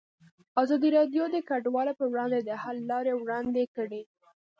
ازادي راډیو د کډوال پر وړاندې د حل لارې وړاندې کړي.